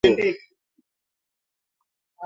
Ni mwafrikam mwamerika wa kwanza kushika wadhifa huo